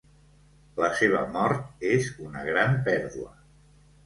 La seva mort és una gran pèrdua.